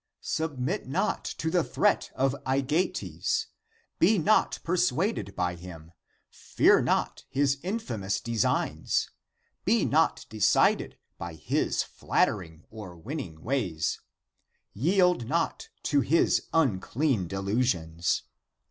Sub mit not to the threat of Aegeates ! Be not per suaded by him ! Fear not his infaniDus designs ! Be not decided by his flattering or winning ways. 206 THE APOCRYPHAL ACTS Yield not to his unclean delusions